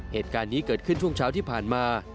เหตุการณ์นี้เกิดขึ้นช่วงเช้าที่ผ่านมา